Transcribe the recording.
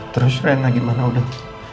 terus rena gimana udah